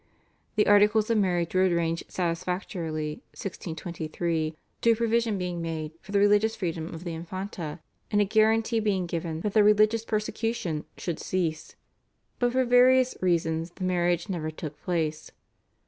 The articles of marriage were arranged satisfactorily (1623), due provision being made for the religious freedom of the Infanta, and a guarantee being given that the religious persecution should cease, but for various reasons the marriage never took place.